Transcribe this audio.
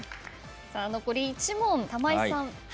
さあ残り１問玉井さん。